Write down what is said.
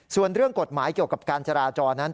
ส่วนเรื่องกฎหมายเกี่ยวกับการจราจรนั้น